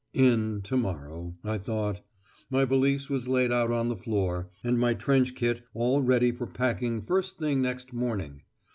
"In" to morrow, I thought. My valise was laid out on the floor, and my trench kit all ready for packing first thing next morning.